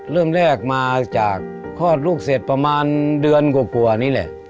เริ่มแรกมาจากคลอดลูกเสร็จประมาณเดือนกว่านี่แหละ